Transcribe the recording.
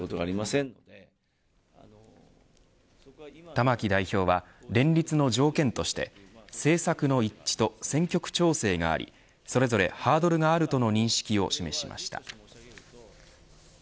玉木代表は、連立の条件として政策の一致と選挙区調整がありそれぞれハードルがあるとの認識を示しました。